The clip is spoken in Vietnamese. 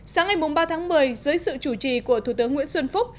sáng ngày ba tháng một mươi dưới sự chủ trì của thủ tướng nguyễn xuân phúc